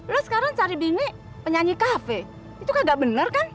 lu sekarang cari bini penyanyi kafe itu kagak bener kan